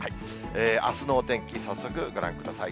あすのお天気、早速ご覧ください。